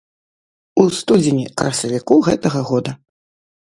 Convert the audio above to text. У студзені-красавіку гэтага года.